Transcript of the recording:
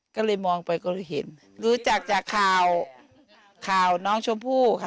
ก็เลยมองไปก็เลยเห็นรู้จักจากข่าวข่าวน้องชมพู่ค่ะ